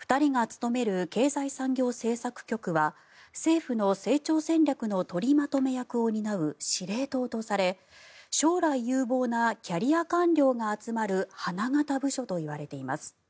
２人が勤める経済産業政策局は政府の成長戦略の取りまとめ役を担う司令塔とされ将来有望なキャリア官僚が集まる花形部署といわれています。